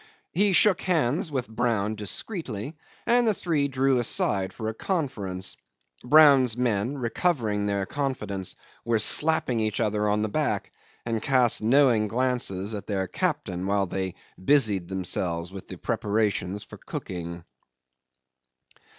He shook hands with Brown discreetly, and the three drew aside for a conference. Brown's men, recovering their confidence, were slapping each other on the back, and cast knowing glances at their captain while they busied themselves with preparations for cooking.